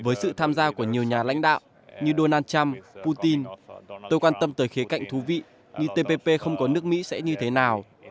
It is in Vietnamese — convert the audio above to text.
với sự tham gia của nhiều nhà lãnh đạo như donald trump putin tôi quan tâm tới khía cạnh thú vị như tpp không có nước mỹ sẽ như thế nào